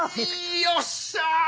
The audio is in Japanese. いよっしゃ！